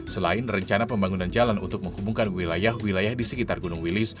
selain rencana pembangunan jalan untuk menghubungkan wilayah wilayah di sekitar gunung wilis